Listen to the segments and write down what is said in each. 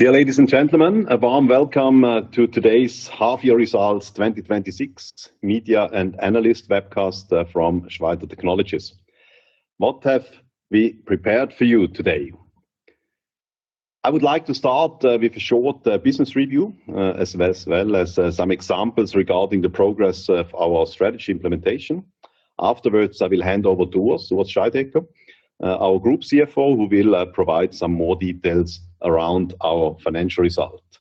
Dear ladies and gentlemen, a warm welcome to today's half-year results 2026 media and analyst webcast from Schweiter Technologies. What have we prepared for you today? I would like to start with a short business review, as well as some examples regarding the progress of our strategy implementation. Afterwards, I will hand over to Urs Scheidegger, our Group CFO, who will provide some more details around our financial results.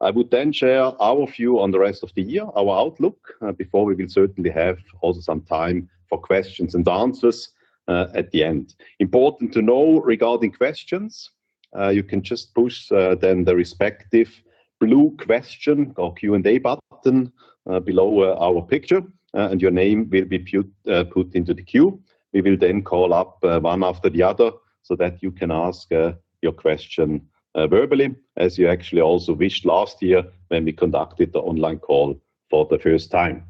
I would then share our view on the rest of the year, our outlook, before we will certainly have also some time for questions and answers at the end. Important to know regarding questions, you can just push the respective blue question or Q&A button below our picture, and your name will be put into the queue. We will then call up one after the other so that you can ask your question verbally, as you actually also wished last year when we conducted the online call for the first time.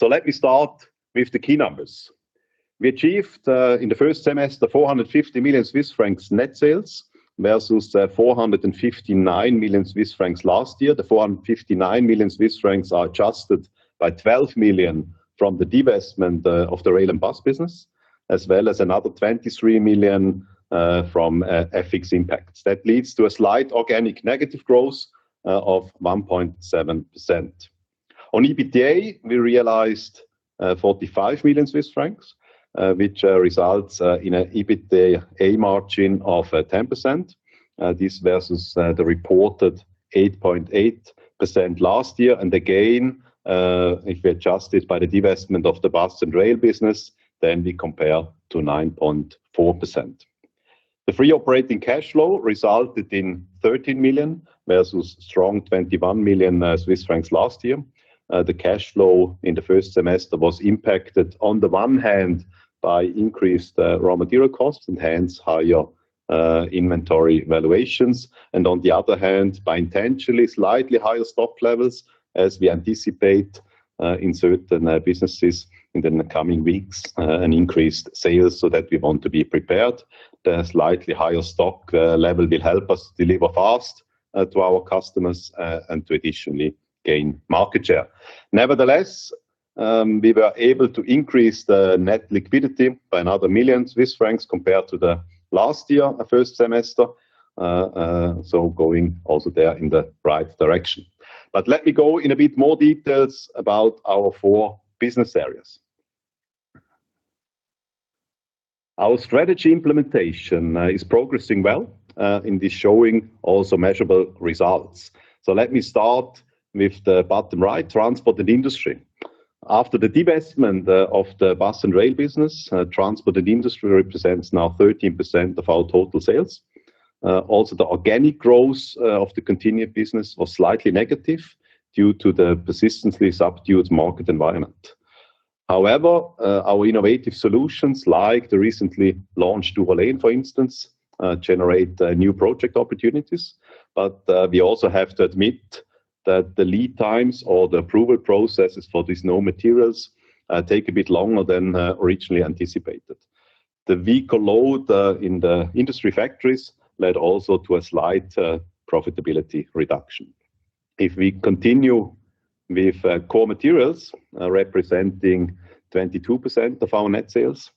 Let me start with the key numbers. We achieved in the first semester 450 million Swiss francs net sales versus 459 million Swiss francs last year. The 459 million Swiss francs are adjusted by 12 million from the divestment of the Bus & Rail business, as well as another 23 million from FX impacts. That leads to a slight organic negative growth of 1.7%. On EBITDA, we realized 45 million Swiss francs, which results in an EBITDA margin of 10%. This versus the reported 8.8% last year. And again, if we adjust it by the divestment of the Bus & Rail business, then we compare to 9.4%. The free operating cash flow resulted in 13 million versus strong 21 million Swiss francs last year. The cash flow in the first semester was impacted on the one hand by increased raw material costs and hence higher inventory valuations, and on the other hand, by intentionally slightly higher stock levels as we anticipate in certain businesses in the coming weeks an increased sales so that we want to be prepared. The slightly higher stock level will help us deliver fast to our customers and to additionally gain market share. Nevertheless, we were able to increase the net liquidity by another million Swiss francs compared to the last year first semester. Going also there in the right direction. But let me go in a bit more details about our four business areas. Our strategy implementation is progressing well and is showing also measurable results. Let me start with the bottom right, Transport & Industry. After the divestment of the Bus & Rail business, Transport & Industry represents now 13% of our total sales. Also, the organic growth of the continued business was slightly negative due to the persistently subdued market environment. However, our innovative solutions like the recently launched DUOLENE, for instance, generate new project opportunities. But we also have to admit that the lead times or the approval processes for these new materials take a bit longer than originally anticipated. The weaker load in the industry factories led also to a slight profitability reduction. If we continue with Core Materials representing 22% of our net sales.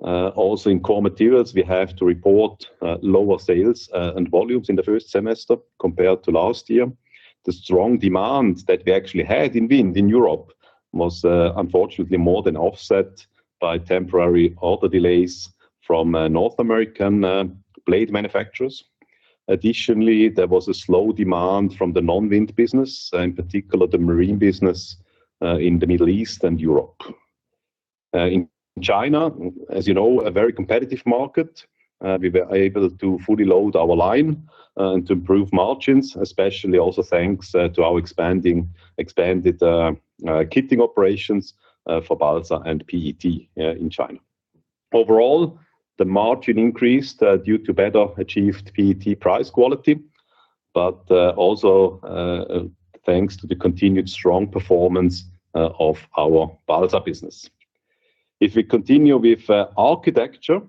Also in Core Materials, we have to report lower sales and volumes in the first semester compared to last year. The strong demand that we actually had in wind in Europe was unfortunately more than offset by temporary order delays from North American blade manufacturers. Additionally, there was a slow demand from the non-wind business, in particular the marine business in the Middle East and Europe. In China, as you know, a very competitive market, we were able to fully load our line and to improve margins, especially also thanks to our expanded kitting operations for balsa and PET in China. Overall, the margin increased due to better achieved PET price quality, but also thanks to the continued strong performance of our balsa business. If we continue with architecture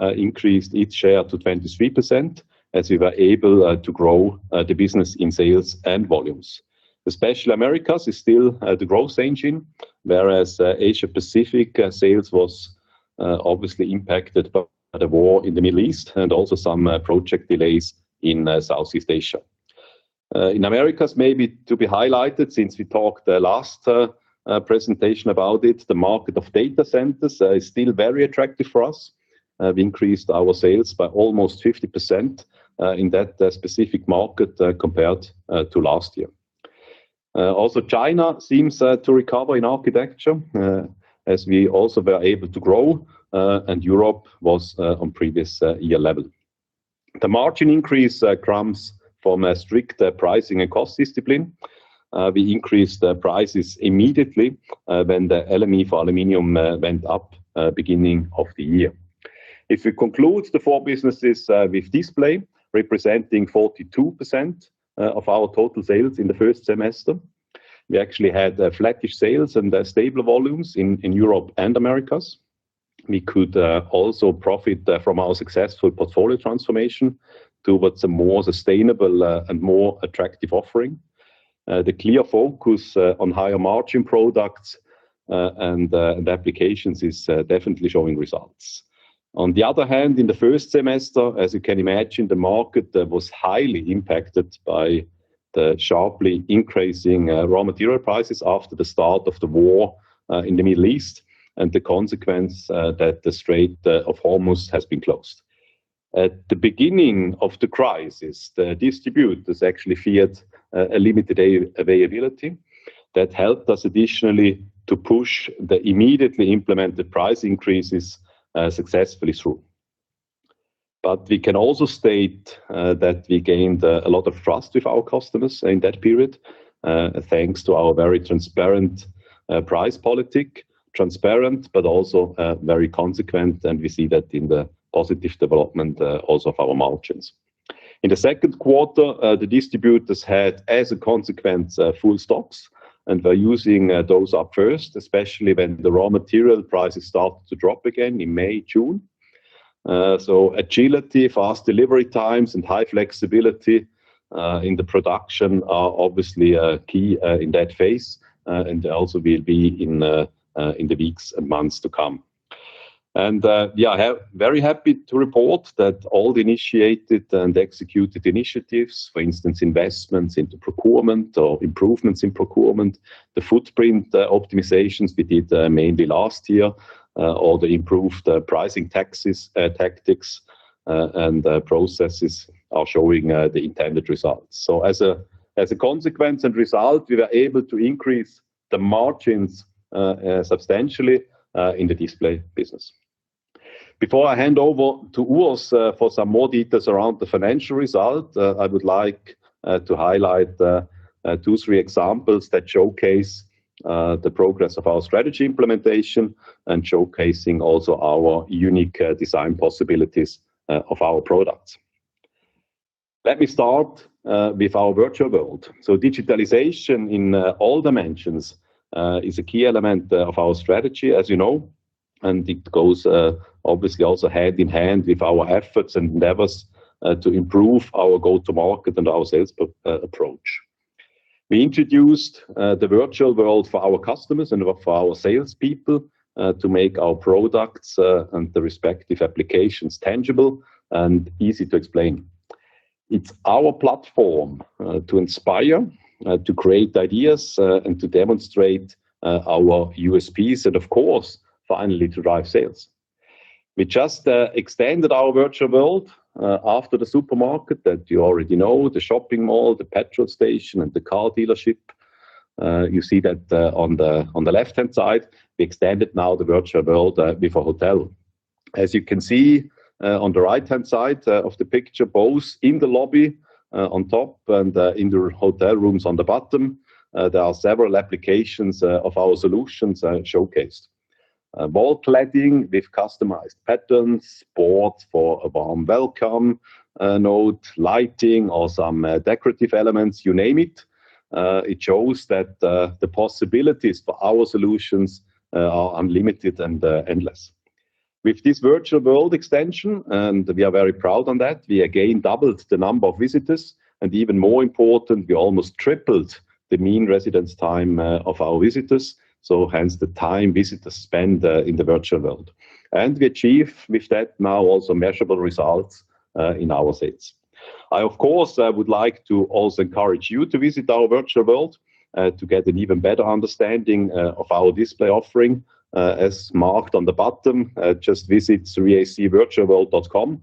increased its share to 23% as we were able to grow the business in sales and volumes. Especially Americas is still the growth engine, whereas Asia Pacific sales was obviously impacted by the war in the Middle East and also some project delays in Southeast Asia. In Americas, maybe to be highlighted since we talked the last presentation about it, the market of data centers is still very attractive for us. We increased our sales by almost 50% in that specific market compared to last year. China seems to recover in architecture, as we also were able to grow, and Europe was on previous year level. The margin increase comes from a strict pricing and cost discipline. We increased prices immediately when the LME for aluminum went up beginning of the year. If we conclude the four businesses with display representing 42% of our total sales in the first semester, we actually had flattish sales and stable volumes in Europe and Americas. We could also profit from our successful portfolio transformation towards a more sustainable and more attractive offering. The clear focus on higher margin products and applications is definitely showing results. On the other hand, in the first semester, as you can imagine, the market was highly impacted by the sharply increasing raw material prices after the start of the war in the Middle East, the consequence that the Strait of Hormuz has been closed. At the beginning of the crisis, the distributors actually feared a limited availability that helped us additionally to push the immediately implemented price increases successfully through. We can also state that we gained a lot of trust with our customers in that period, thanks to our very transparent price policy. Transparent, but also very consequent, we see that in the positive development also of our margins. In the second quarter, the distributors had, as a consequence, full stocks, were using those up first, especially when the raw material prices started to drop again in May, June. Agility, fast delivery times, and high flexibility in the production are obviously key in that phase, and also will be in the weeks and months to come. Very happy to report that all the initiated and executed initiatives, for instance, investments into procurement or improvements in procurement, the footprint optimizations we did mainly last year, or the improved pricing tactics and processes are showing the intended results. As a consequence and result, we were able to increase the margins substantially in the display business. Before I hand over to Urs for some more details around the financial result, I would like to highlight two, three examples that showcase the progress of our strategy implementation and showcasing also our unique design possibilities of our products. Let me start with our Virtual World. Digitalization in all dimensions is a key element of our strategy, as you know, and it goes obviously also hand in hand with our efforts and endeavors to improve our go to market and our sales approach. We introduced the Virtual World for our customers and for our salespeople to make our products and the respective applications tangible and easy to explain. It's our platform to inspire, to create ideas, and to demonstrate our USPs and of course, finally to drive sales. We just extended our Virtual World after the supermarket that you already know, the shopping mall, the petrol station, and the car dealership. You see that on the left-hand side. We extended now the Virtual World with a hotel. As you can see on the right-hand side of the picture, both in the lobby on top and in the hotel rooms on the bottom, there are several applications of our solutions showcased. Wall cladding with customized patterns, boards for a warm welcome note, lighting, or some decorative elements, you name it. It shows that the possibilities for our solutions are unlimited and endless. With this Virtual World extension, and we are very proud on that, we again doubled the number of visitors, and even more important, we almost tripled the mean residence time of our visitors. Hence the time visitors spend in the Virtual World. We achieve with that now also measurable results in our sales. I, of course, would like to also encourage you to visit our Virtual World to get an even better understanding of our display offering. As marked on the bottom, just visit 3acvirtualworld.com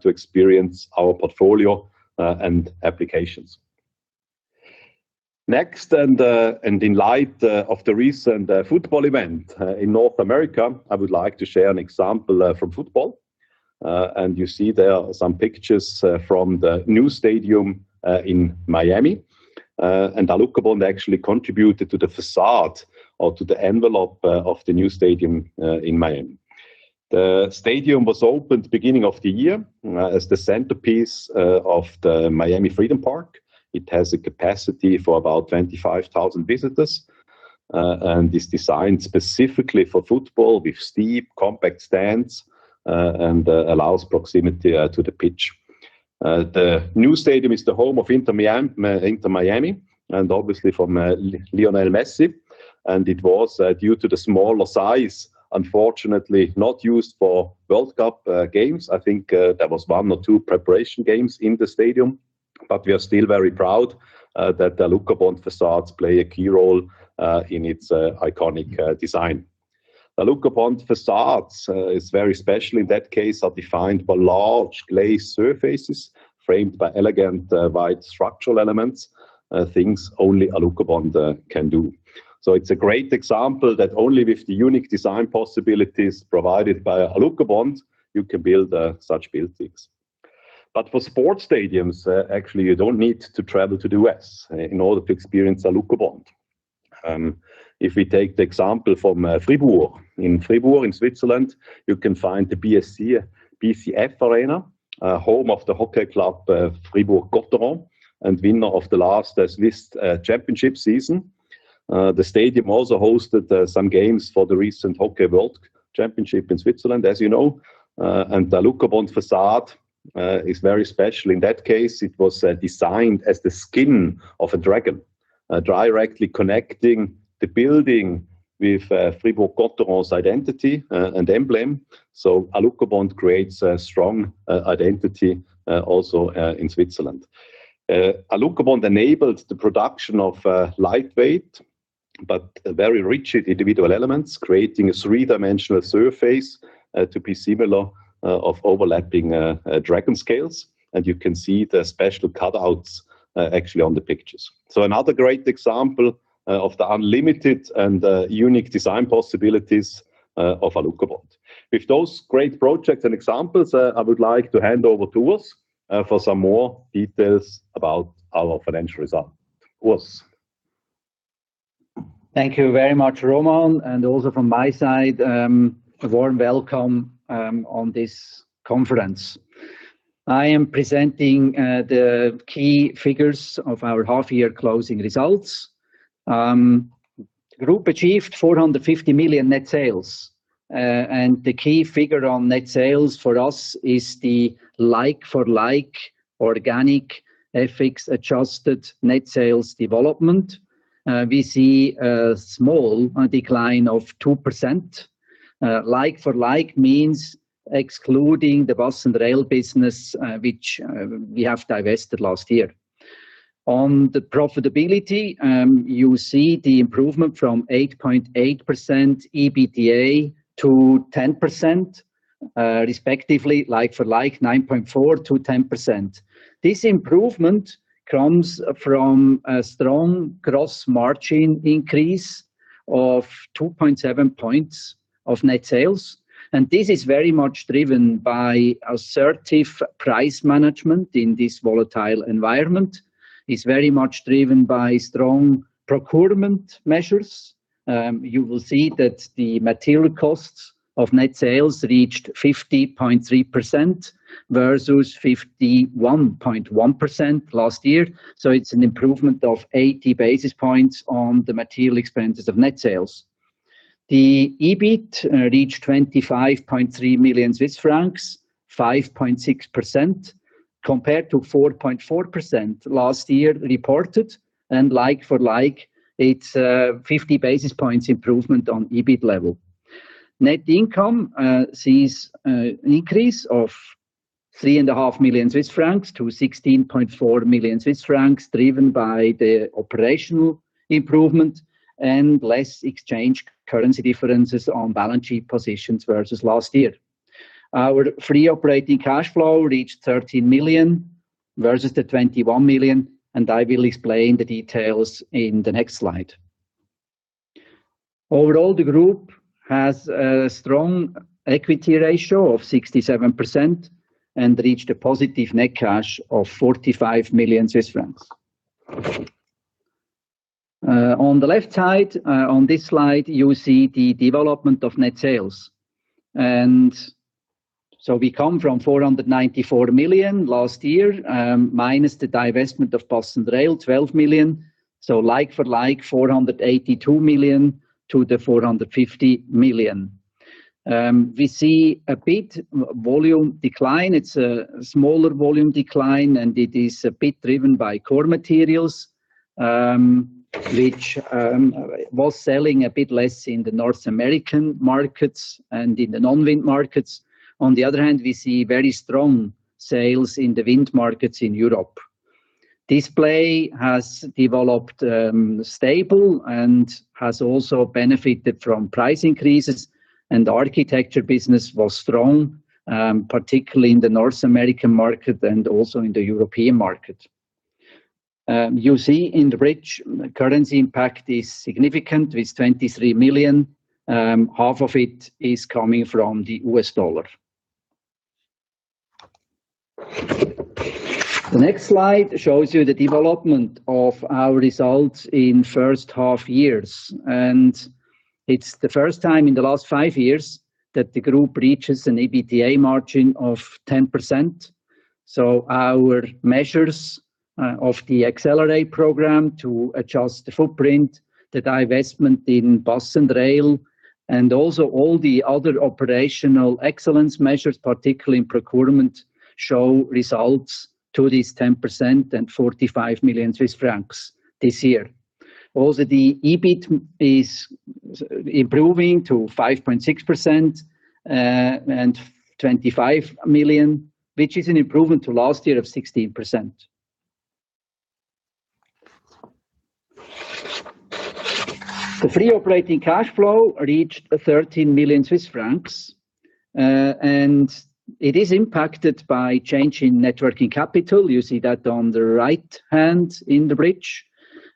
to experience our portfolio and applications. Next, in light of the recent football event in North America, I would like to share an example from football. You see there are some pictures from the new stadium in Miami, and ALUCOBOND actually contributed to the facade or to the envelope of the new stadium in Miami. The stadium was opened beginning of the year as the centerpiece of the Miami Freedom Park. It has a capacity for about 25,000 visitors and is designed specifically for football with steep, compact stands, and allows proximity to the pitch. The new stadium is the home of Inter Miami, and obviously for Lionel Messi, and it was, due to the smaller size, unfortunately not used for World Cup games. I think there was one or two preparation games in the stadium, but we are still very proud that the ALUCOBOND facades play a key role in its iconic design. ALUCOBOND facades is very special in that case, are defined by large glazed surfaces, framed by elegant white structural elements. Things only ALUCOBOND can do. It's a great example that only with the unique design possibilities provided by ALUCOBOND you can build such buildings. For sports stadiums, actually, you don't need to travel to the U.S. in order to experience ALUCOBOND. If we take the example from Fribourg. In Fribourg, in Switzerland, you can find the BCF Arena, home of the hockey club, Fribourg-Gottéron, and winner of the last Swiss Championship season. The stadium also hosted some games for the recent Hockey World Championship in Switzerland, as you know, the ALUCOBOND facade is very special. In that case, it was designed as the skin of a dragon, directly connecting the building with Fribourg-Gottéron's identity and emblem. ALUCOBOND creates a strong identity also in Switzerland. ALUCOBOND enables the production of lightweight, but very rigid individual elements, creating a three-dimensional surface to be similar of overlapping dragon scales. You can see the special cutouts actually on the pictures. Another great example of the unlimited and unique design possibilities of ALUCOBOND. With those great projects and examples, I would like to hand over to Urs for some more details about our financial result. Urs? Thank you very much, Roman, and also from my side, a warm welcome on this conference. I am presenting the key figures of our half-year closing results. Group achieved 450 million net sales. The key figure on net sales for us is the like-for-like organic FX-adjusted net sales development. We see a small decline of 2%. Like-for-like means excluding the Bus & Rail business, which we have divested last year. On the profitability, you see the improvement from 8.8% EBITDA to 10%, respectively like-for-like 9.4%-10%. This improvement comes from a strong gross margin increase of 2.7 points of net sales, and this is very much driven by assertive price management in this volatile environment. It's very much driven by strong procurement measures. You will see that the material costs of net sales reached 50.3% versus 51.1% last year. It's an improvement of 80 basis points on the material expenses of net sales. The EBIT reached 25.3 million Swiss francs, 5.6%, compared to 4.4% last year reported. Like-for-like, it's 50 basis points improvement on EBIT level. Net income sees an increase of 3.5 million-16.4 million Swiss francs, driven by the operational improvement and less exchange currency differences on balance sheet positions versus last year. Our free operating cash flow reached 13 million versus 21 million, and I will explain the details in the next slide. Overall, the group has a strong equity ratio of 67% and reached a positive net cash of 45 million Swiss francs. On the left side, on this slide, you see the development of net sales. We come from 494 million last year, minus the divestment of Bus & Rail, 12 million. Like-for-like, 482 million-450 million. We see a bit volume decline. It's a smaller volume decline, and it is a bit driven by core materials, which was selling a bit less in the North American markets and in the non-wind markets. On the other hand, we see very strong sales in the wind markets in Europe. Display has developed stable and has also benefited from price increases, and architecture business was strong, particularly in the North American market and also in the European market. You see in the bridge, currency impact is significant with 23 million. Half of it is coming from the U.S. dollar. The next slide shows you the development of our results in first half years, and it's the first time in the last five years that the group reaches an EBITDA margin of 10%. Our measures of the Accelerate program to adjust the footprint, the divestment in Bus & Rail, and also all the other operational excellence measures, particularly in procurement, show results to this 10% and 45 million Swiss francs this year. Also, the EBIT is improving to 5.6% and 25 million, which is an improvement to last year of 16%. The free operating cash flow reached a 13 million Swiss francs, and it is impacted by change in net working capital. You see that on the right hand in the bridge.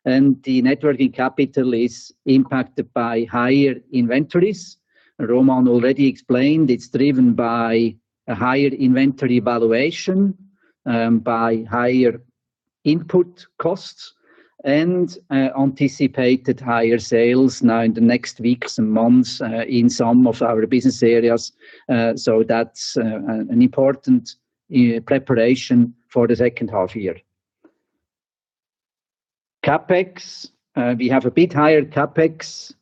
The net working capital is impacted by higher inventories. Roman already explained, it's driven by a higher inventory valuation, by higher input costs, and anticipated higher sales now in the next weeks and months in some of our business areas. That's an important preparation for the second half-year CapEx, we have a bit higher CapEx.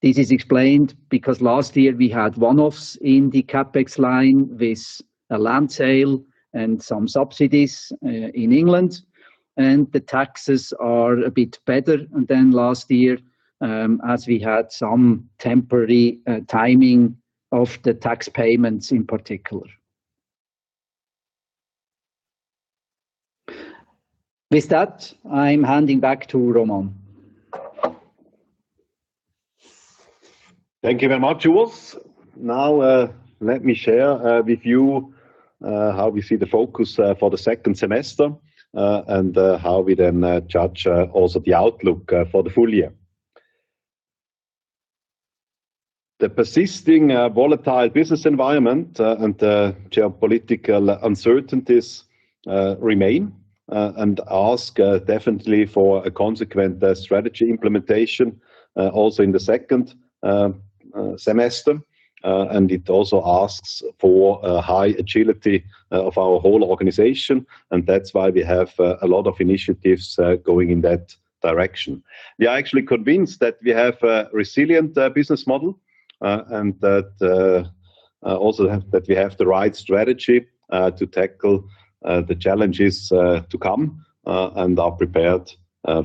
This is explained because last year we had one-offs in the CapEx line with a land sale and some subsidies in England. The taxes are a bit better than last year, as we had some temporary timing of the tax payments in particular. With that, I'm handing back to Roman. Thank you very much, Urs. Let me share with you how we see the focus for the second semester and how we judge also the outlook for the full year. The persisting volatile business environment and geopolitical uncertainties remain and ask definitely for a consequent strategy implementation also in the second semester. It also asks for a high agility of our whole organization, that's why we have a lot of initiatives going in that direction. We are actually convinced that we have a resilient business model and that we have the right strategy to tackle the challenges to come and are prepared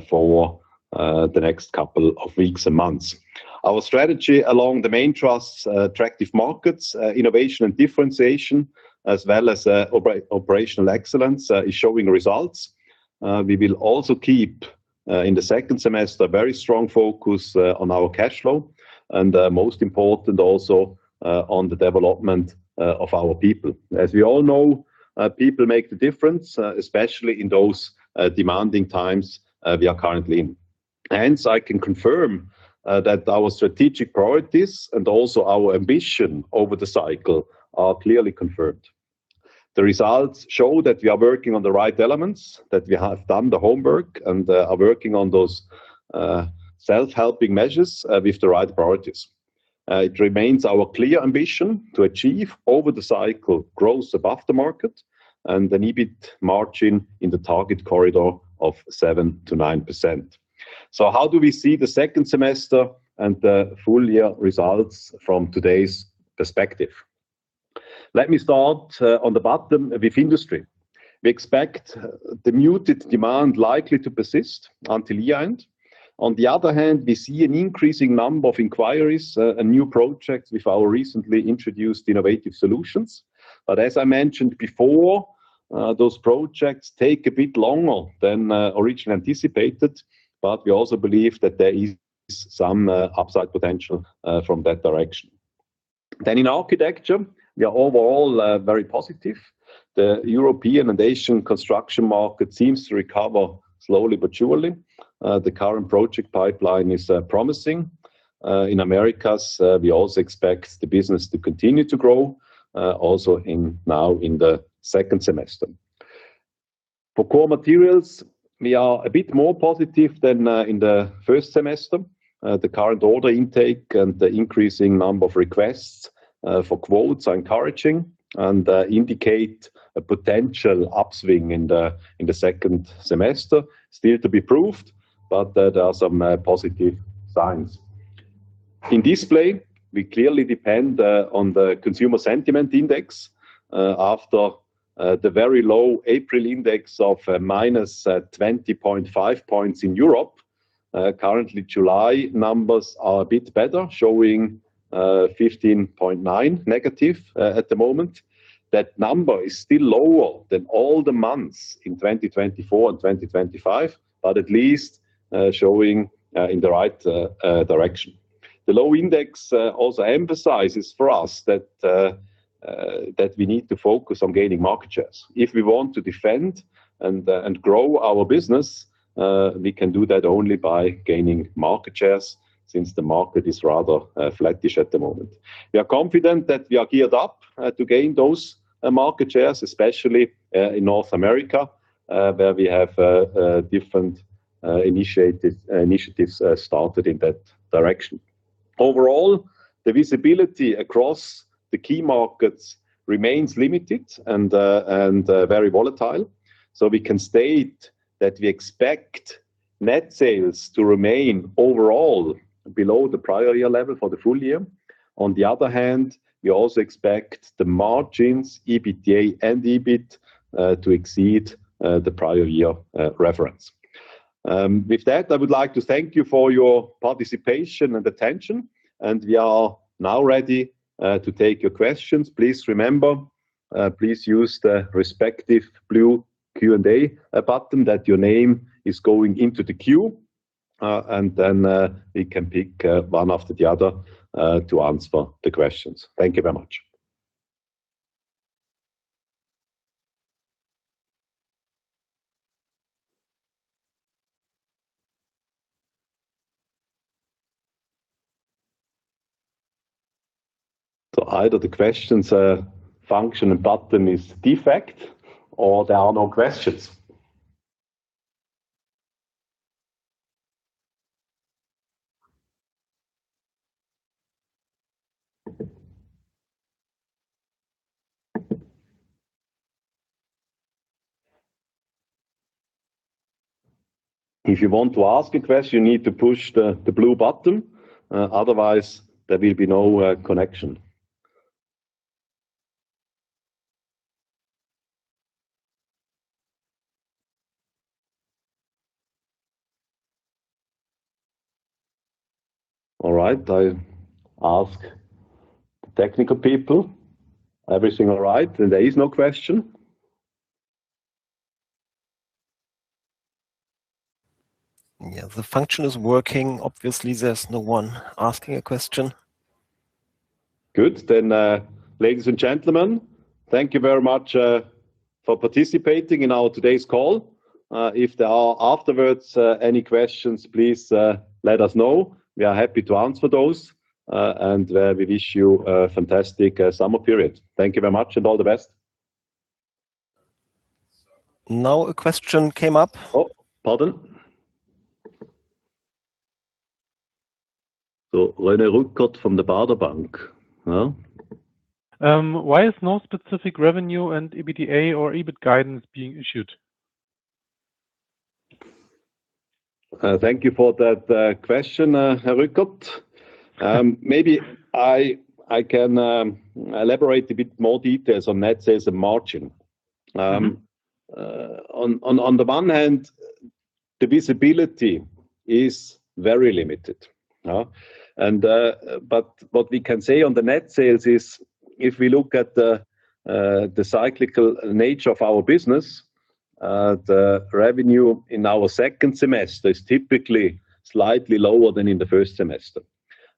for the next couple of weeks and months. Our strategy along the main thrusts, attractive markets, innovation and differentiation, as well as operational excellence, is showing results. We will also keep, in the second semester, very strong focus on our cash flow, most important also on the development of our people. As we all know, people make the difference, especially in those demanding times we are currently in. Hence, I can confirm that our strategic priorities also our ambition over the cycle are clearly confirmed. The results show that we are working on the right elements, that we have done the homework, are working on those self-helping measures with the right priorities. It remains our clear ambition to achieve over the cycle growth above the market and an EBIT margin in the target corridor of 7%-9%. How do we see the second semester and the full year results from today's perspective? Let me start on the bottom with industry. We expect the muted demand likely to persist until year-end. On the other hand, we see an increasing number of inquiries and new projects with our recently introduced innovative solutions. As I mentioned before, those projects take a bit longer than originally anticipated. We also believe that there is some upside potential from that direction. In architecture, we are overall very positive. The European and Asian construction market seems to recover slowly but surely. The current project pipeline is promising. In Americas, we also expect the business to continue to grow also now in the second semester. For core materials, we are a bit more positive than in the first semester. The current order intake and the increasing number of requests for quotes are encouraging and indicate a potential upswing in the second semester. Still to be proved, but there are some positive signs. In display, we clearly depend on the Consumer Sentiment Index. After the very low April index of -20.5 points in Europe, currently July numbers are a bit better, showing -15.9 points at the moment. That number is still lower than all the months in 2024 and 2025, but at least showing in the right direction. The low index also emphasizes for us that we need to focus on gaining market shares. If we want to defend and grow our business, we can do that only by gaining market shares since the market is rather flattish at the moment. We are confident that we are geared up to gain those market shares, especially in North America, where we have different initiatives started in that direction. Overall, the visibility across the key markets remains limited and very volatile. We can state that we expect net sales to remain overall below the prior year level for the full year. On the other hand, we also expect the margins, EBITDA and EBIT, to exceed the prior year reference. With that, I would like to thank you for your participation and attention, and we are now ready to take your questions. Please remember, please use the respective blue Q&A button that your name is going into the queue, and then we can pick one after the other to answer the questions. Thank you very much. Either the questions function button is defect, or there are no questions. If you want to ask a question, you need to push the blue button, otherwise there will be no connection. All right. I ask the technical people. Everything all right? There is no question? Yeah, the function is working. Obviously, there's no one asking a question. Good. Ladies and gentlemen, thank you very much for participating in our today's call. If there are afterwards any questions, please let us know. We are happy to answer those, and we wish you a fantastic summer period. Thank you very much and all the best. Now a question came up. Oh, pardon. René Rückert from the Baader Bank. Why is no specific revenue and EBITDA or EBIT guidance being issued? Thank you for that question, Rückert. Maybe I can elaborate a bit more details on net sales and margin. On the one hand, the visibility is very limited. What we can say on the net sales is, if we look at the cyclical nature of our business, the revenue in our second semester is typically slightly lower than in the first semester.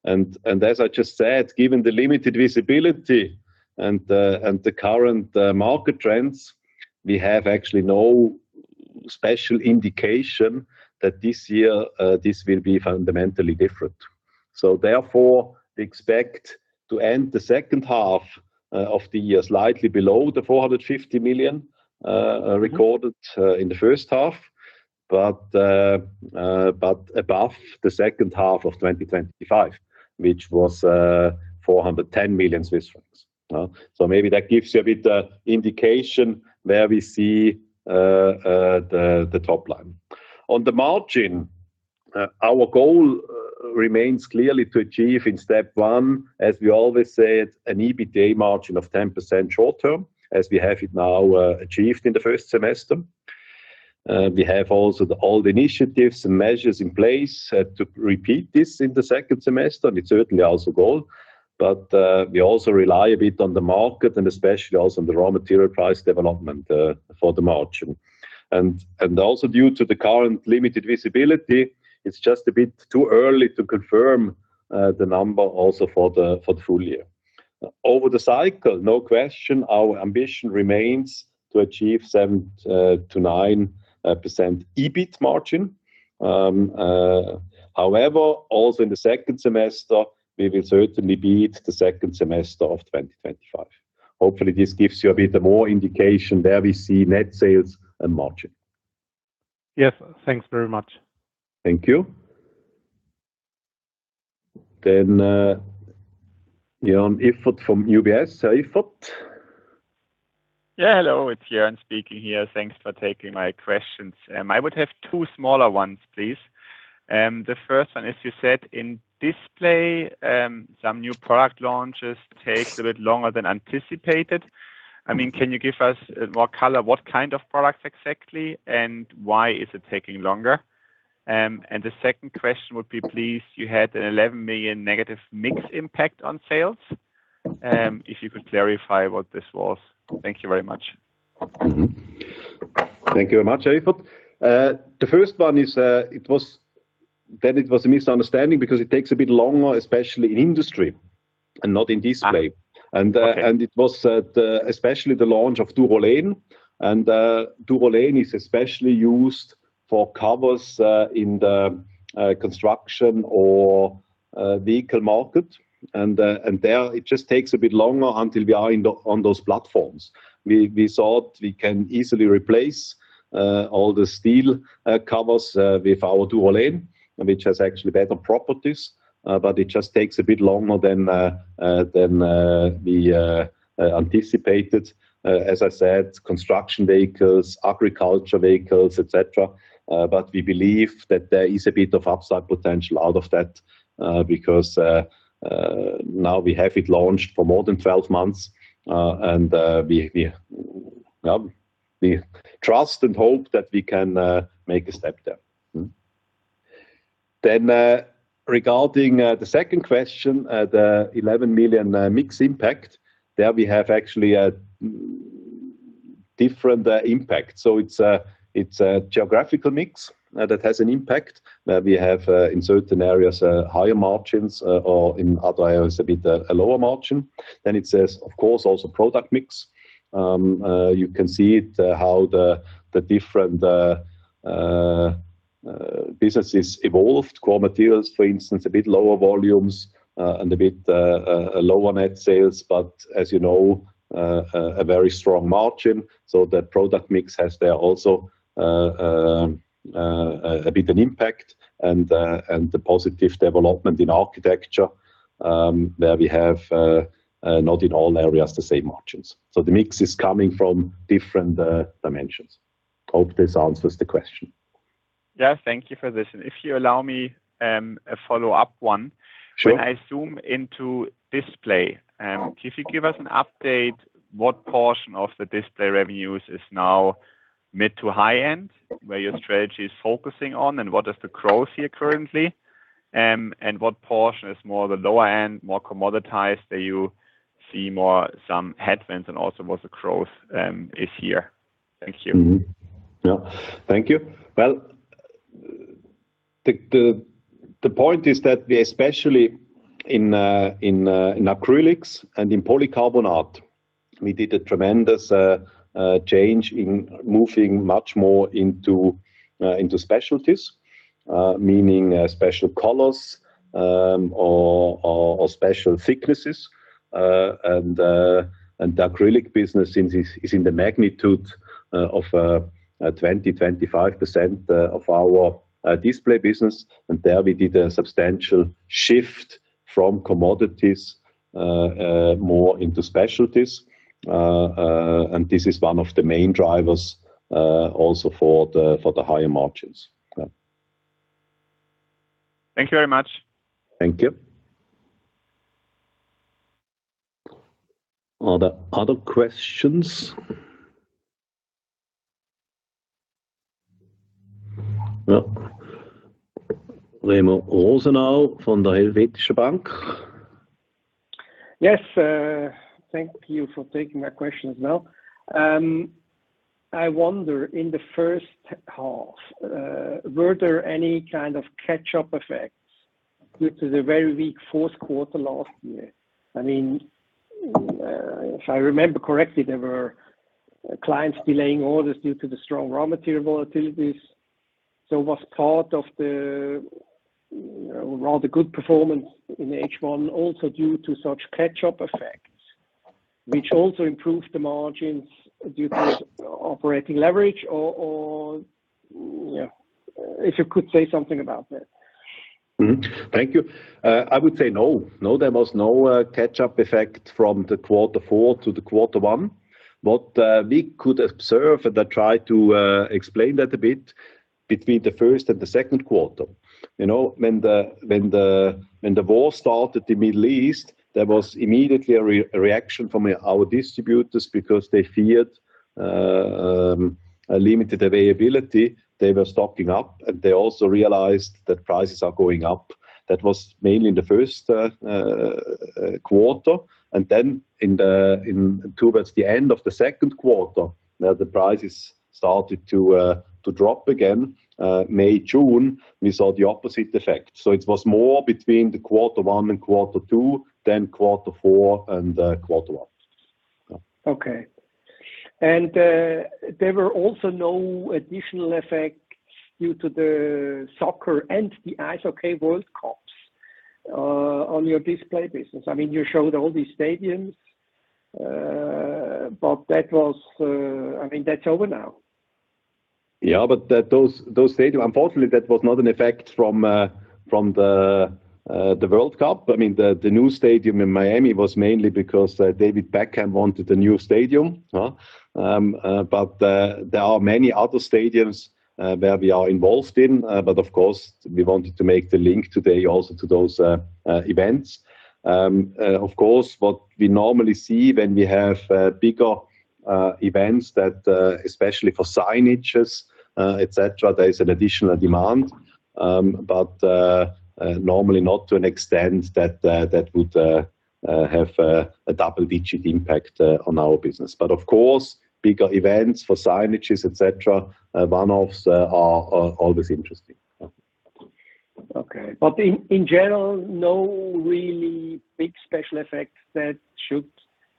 As I just said, given the limited visibility and the current market trends, we have actually no special indication that this year this will be fundamentally different. Therefore, we expect to end the second half of the year slightly below the 450 million recorded in the first half, but above the second half of 2025, which was 410 million Swiss francs. Maybe that gives you a bit indication where we see the top line. On the margin, our goal remains clearly to achieve in step one, as we always said, an EBITDA margin of 10% short-term, as we have it now achieved in the first semester. We have also all the initiatives and measures in place to repeat this in the second semester, and it's certainly also a goal, but we also rely a bit on the market and especially also on the raw material price development for the margin. Also due to the current limited visibility, it's just a bit too early to confirm the number also for the full year. Over the cycle, no question, our ambition remains to achieve 7%-9% EBIT margin. Also in the second semester, we will certainly beat the second semester of 2025. Hopefully, this gives you a bit more indication where we see net sales and margin. Yes. Thanks very much. Thank you. Joern Iffert from UBS. Iffert? Yeah. Hello, it's Joern speaking here. Thanks for taking my questions. I would have two smaller ones, please. The first one is, you said in display, some new product launches takes a bit longer than anticipated. Can you give us more color? What kind of products exactly, and why is it taking longer? The second question would be, please, you had a -11 million mix impact on sales. If you could clarify what this was. Thank you very much. Thank you very much, Iffert. The first one, it was a misunderstanding because it takes a bit longer, especially in industry and not in display. Okay. It was especially the launch of DUOLENE, and DUOLENE is especially used for covers in the construction or vehicle market. There, it just takes a bit longer until we are on those platforms. We thought we can easily replace all the steel covers with our DUOLENE, which has actually better properties, but it just takes a bit longer than we anticipated. As I said, construction vehicles, agriculture vehicles, etc. We believe that there is a bit of upside potential out of that, because now we have it launched for more than 12 months, and we trust and hope that we can make a step there. Regarding the second question, the 11 million mix impact, there we have actually a different impact. It's a geographical mix that has an impact. We have, in certain areas, higher margins, or in other areas, a bit a lower margin. It says, of course, also product mix. You can see it how businesses evolved. Core materials, for instance, a bit lower volumes, and a bit lower net sales. As you know, a very strong margin. That product mix has there also a bit an impact, and the positive development in architecture, where we have not in all areas the same margins. The mix is coming from different dimensions. Hope this answers the question. Yeah, thank you for this. If you allow me a follow-up one. Sure. When I zoom into display, if you give us an update, what portion of the display revenues is now mid to high-end, where your strategy is focusing on, and what is the growth here currently? What portion is more the lower end, more commoditized? Do you see more some headwinds and also what the growth is here? Thank you. Yeah. Thank you. Well, the point is that we, especially in acrylics and in polycarbonate, we did a tremendous change in moving much more into specialties, meaning special colors, or special thicknesses. The acrylic business is in the magnitude of 20%, 25% of our display business. There we did a substantial shift from commodities, more into specialties. This is one of the main drivers also for the higher margins. Yeah. Thank you very much. Thank you. Are there other questions? No. Remo Rosenau from the Helvetische Bank. Yes. Thank you for taking my question as well. I wonder, in the first half, were there any kind of catch-up effects due to the very weak fourth quarter last year? If I remember correctly, there were clients delaying orders due to the strong raw material volatilities. Was part of the rather good performance in H1 also due to such catch-up effects, which also improved the margins due to operating leverage, or if you could say something about that? Thank you. I would say no. No, there was no catch-up effect from the quarter four to the quarter one. What we could observe, and I try to explain that a bit, between the first and the second quarter. When the war started in the Middle East, there was immediately a reaction from our distributors because they feared a limited availability. They were stocking up, and they also realized that prices are going up. That was mainly in the first quarter. Towards the end of the second quarter, the prices started to drop again. May, June, we saw the opposite effect. It was more between the quarter one and quarter two than quarter four and quarter one. Okay. There were also no additional effects due to the soccer and the ice hockey World Cups on your display business? You showed all these stadiums, but that's over now. Yeah. Those stadiums, unfortunately that was not an effect from the World Cup. The new stadium in Miami was mainly because David Beckham wanted a new stadium. There are many other stadiums where we are involved in. Of course, we wanted to make the link today also to those events. Of course, what we normally see when we have bigger events that, especially for signages, et cetera, there is an additional demand. Normally not to an extent that that would have a double-digit impact on our business. Of course, bigger events for signages, et cetera, one-offs are always interesting. Yeah. Okay. In general, no really big special effects that should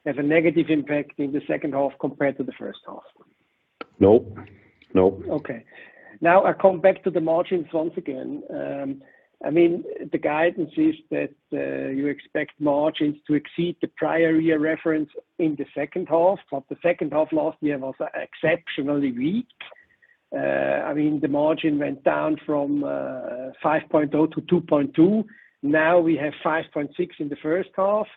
have a negative impact in the second half compared to the first half? No. Okay. I come back to the margins once again. The guidance is that you expect margins to exceed the prior year reference in the second half. The second half last year was exceptionally weak. The margin went down from 5.0%-2.2%. We have 5.6% in the first half.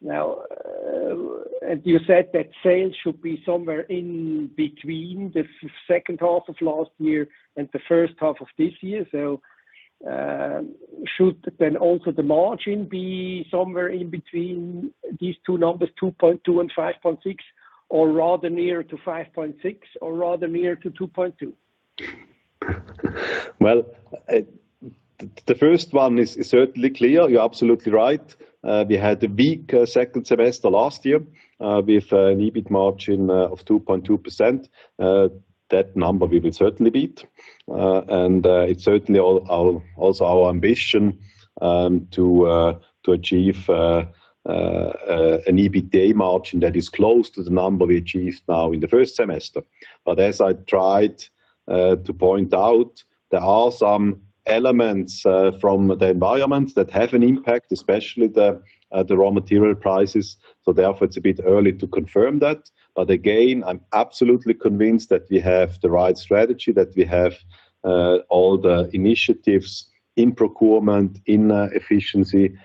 You said that sales should be somewhere in between the second half of last year and the first half of this year. Should then also the margin be somewhere in between these two numbers, 2.2% and 5.6%, or rather nearer to 5.6% or rather nearer to 2.2%? The first one is certainly clear. You're absolutely right. We had a weak second semester last year with an EBIT margin of 2.2%. That number we will certainly beat. It's certainly also our ambition to achieve an EBITDA margin that is close to the number we achieved now in the first semester. As I tried to point out, there are some elements from the environment that have an impact, especially the raw material prices. Therefore, it's a bit early to confirm that. Again, I'm absolutely convinced that we have the right strategy, that we have all the initiatives in procurement, in efficiency,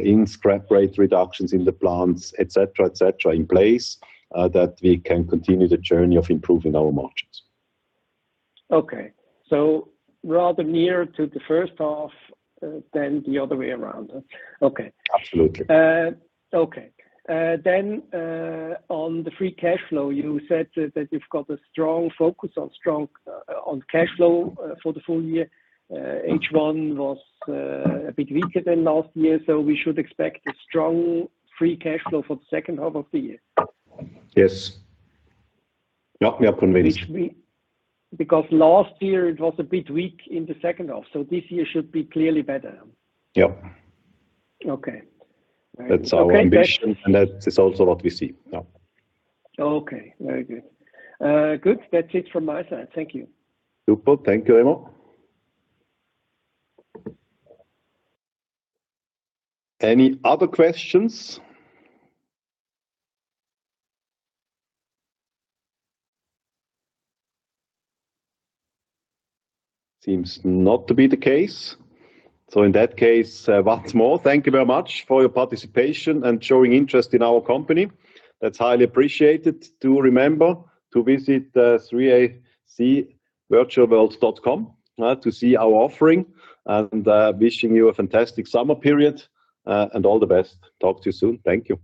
in scrap rate reductions in the plants, etc., in place, that we can continue the journey of improving our margins. Okay. rather near to the first half than the other way around? Okay. Absolutely. Okay. On the free cash flow, you said that you've got a strong focus on cash flow for the full year. H1 was a bit weaker than last year, so we should expect a strong free cash flow for the second half of the year? Yes. Yeah, I'm convinced. Because last year it was a bit weak in the second half, so this year should be clearly better? Yep. Okay. All right. That's our ambition, and that is also what we see now. Okay, very good. Good. That's it from my side. Thank you. Super. Thank you, Remo. Any other questions? Seems not to be the case. In that case, once more, thank you very much for your participation and showing interest in our company. That's highly appreciated. Do remember to visit 3acvirtualworld.com to see our offering. Wishing you a fantastic summer period, and all the best. Talk to you soon. Thank you.